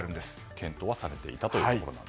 検討はされていたと。